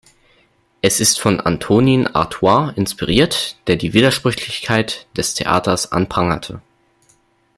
Es ist von Antonin Artaud inspiriert, der die Widersprüchlichkeit des Theaters anprangerte.